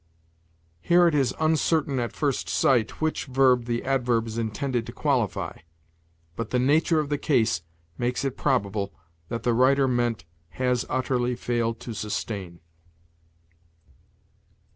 Here it is uncertain at first sight which verb the adverb is intended to qualify; but the nature of the case makes it probable that the writer meant "has utterly failed to sustain."